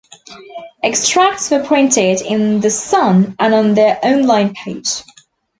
Extracts were printed in "The Sun" and on their on-line page.